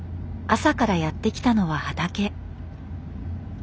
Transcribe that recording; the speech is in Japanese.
朝からやって来たのは畑。